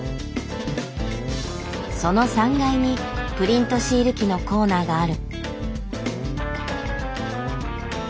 その３階にプリントシール機のコーナーがある。